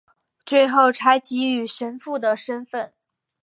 最后才给予神父的身分。